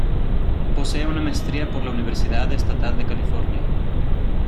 Posee una maestría por la Universidad Estatal de California.